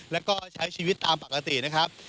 แล้วก็ใช้ชีวิตตามปกตินะครับ